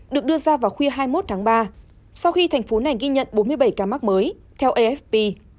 được đưa ra vào khuya hai mươi một tháng ba sau khi thành phố này ghi nhận bốn mươi bảy ca mắc mới theo afp